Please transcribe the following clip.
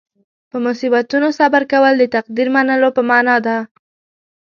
په مصیبتونو صبر کول د تقدیر منلو په معنې ده.